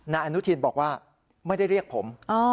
นายอนุทินบอกว่าไม่ได้เรียกผม